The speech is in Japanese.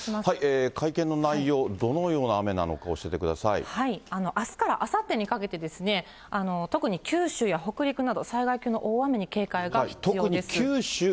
会見の内容、どのような雨なあすからあさってにかけてですね、特に九州や北陸など、災害級の大雨に警戒が必要です。